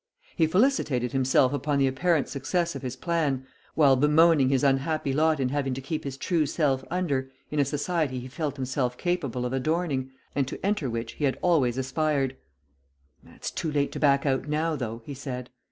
He felicitated himself upon the apparent success of his plan, while bemoaning his unhappy lot in having to keep his true self under in a society he felt himself capable of adorning, and to enter which he had always aspired. "It's too late to back out now, though," he said.